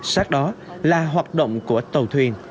sát đó là hoạt động của tàu thuyền